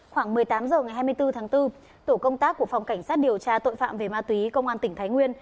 khoảng một mươi tám h ngày hai mươi bốn tháng bốn tổ công tác của phòng cảnh sát điều tra tội phạm về ma túy công an tỉnh thái nguyên